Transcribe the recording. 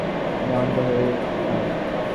তিনি অন্ধ হয়ে যান।